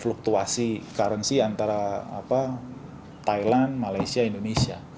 fluktuasi currency antara thailand malaysia indonesia